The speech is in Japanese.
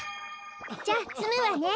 じゃあつむわね。